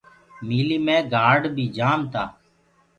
ميٚليٚ مي گآرڊ بي جآم تآ۔